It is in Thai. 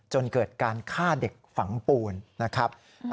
จนเกิดการฆ่าเด็กฝังปูนนะครับ